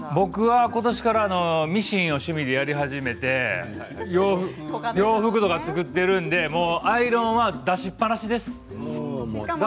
僕は今年からミシンを趣味でやり始めて洋服とか作っているのでアイロンは出しっぱなしです。